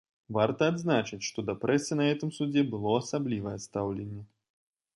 Варта адзначыць, што да прэсы на гэтым судзе было асаблівае стаўленне.